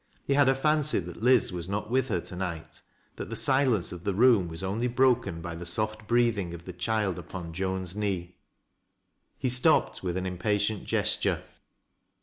He had a fancy that Liz was not with her to night, that the silence of the room was only broken by the scjft breathing of the child upon Joan's knee. He stopped with an impatient gesture.